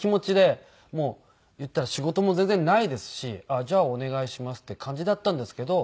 言ったら仕事も全然ないですし「じゃあお願いします」っていう感じだったんですけど。